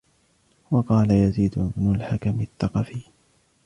وَقَالَ يَزِيدُ بْنُ الْحَكَمِ الثَّقَفِيُّ